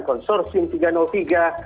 konsorsium tiga ratus tiga dan juga